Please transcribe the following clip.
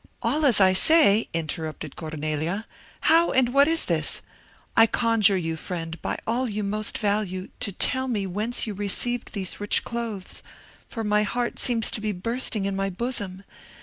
"All as I say!" interrupted Cornelia, "how and what is this? I conjure you, friend, by all you most value, to tell me whence you received these rich clothes; for my heart seems to be bursting in my bosom!